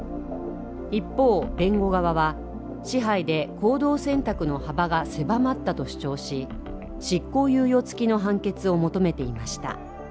一方、弁護側は支配で行動選択の幅が狭まったと主張し執行猶予つきの判決を求めていました。